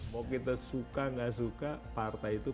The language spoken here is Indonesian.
mau kita suka nggak suka partai itu